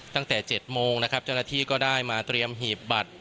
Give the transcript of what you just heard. ตั้งแต่๗โมงนะครับเจ้าหน้าที่ก็ได้มาเตรียมหีบบัตร